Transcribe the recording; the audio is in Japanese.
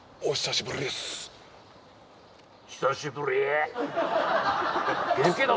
お久しぶりです